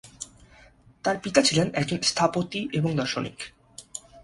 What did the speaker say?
তার পিতা ছিলেন একজন স্থপতি এবং দার্শনিক।